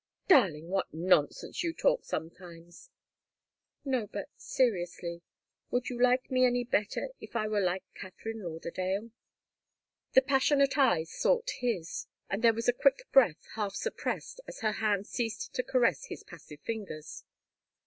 "Darling! What nonsense you talk sometimes!" "No, but seriously, would you like me any better if I were like Katharine Lauderdale?" The passionate eyes sought his, and there was a quick breath, half suppressed, as her hand ceased to caress his passive fingers.